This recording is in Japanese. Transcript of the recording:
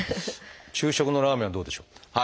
昼食のラーメンはどうでしょう？